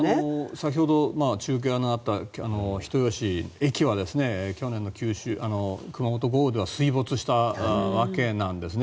先ほど中継のあった人吉駅は去年の熊本豪雨では水没したわけなんですね。